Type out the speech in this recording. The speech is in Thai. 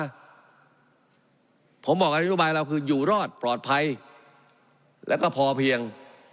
ตามดำดับมาผมบอกกันทุบายเราคืออยู่รอดปลอดภัยแล้วก็พอเพียง